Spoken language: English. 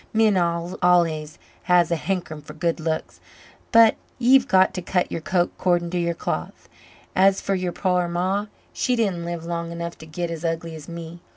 Men al'ays has a hankerin' for good looks. But ye've got to cut yer coat 'cording to yer cloth. As for yer poor ma, she didn't live long enough to git as ugly as me.